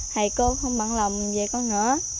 thầy cô không bận lòng về con nữa